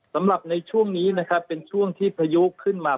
สำหรับในช่วงนี้นะครับเป็นช่วงที่พายุขึ้นมา